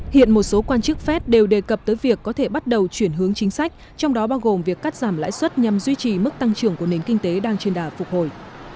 hiện một số quan chức fed đều đề cập tới việc có thể bắt đầu chuyển hướng chính sách trong đó bao gồm việc cắt giảm lãi suất nhằm duy trì mức tăng trưởng của nền kinh tế đang trên đà phục hồi